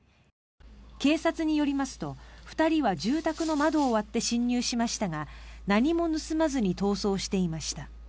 警察によりますと２人は住宅の窓を割って侵入しましたが何も盗まずに逃走していました。